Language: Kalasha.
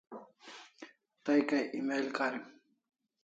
Tay kay email karim